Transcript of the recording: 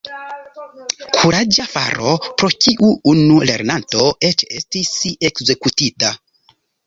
Kuraĝa faro, pro kiu unu lernanto eĉ estis ekzekutita.